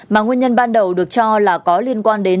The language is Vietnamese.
mà nguyên nhân ban đầu được cho là có liên quan đến